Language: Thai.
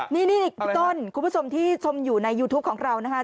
นี่พี่ต้นคุณผู้ชมที่ชมอยู่ในยูทูปของเรานะคะ